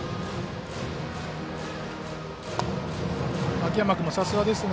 秋山君もさすがですね。